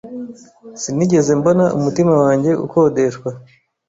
sinigeze mbona umutima wanjye ukodeshwa.